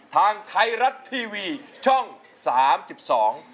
ทางไทยรัฐทีวีช่อง๓๒